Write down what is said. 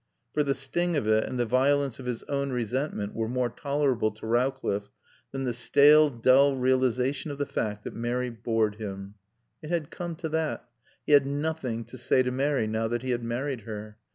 For the sting of it and the violence of his own resentment were more tolerable to Rowcliffe than the stale, dull realisation of the fact that Mary bored him. It had come to that. He had nothing to say to Mary now that he had married her.